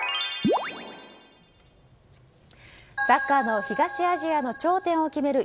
サッカーの東アジアの頂点を決める